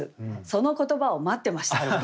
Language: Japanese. その言葉を待ってました。